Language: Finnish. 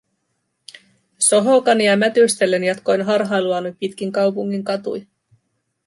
Sohokania mätystellen jatkoin harhailuani pitkin kaupungin katuja.